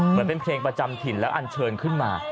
เหมือนเป็นเพลงประจำถิ่นแล้วอันเชิญขึ้นมา